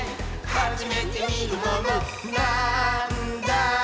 「はじめてみるものなぁーんだ？」